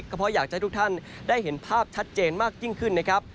เพราะอยากจะให้ทุกท่านได้เห็นภาพชัดเจนมากยิ่งขึ้นนะครับ